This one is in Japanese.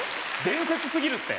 伝説すぎるって。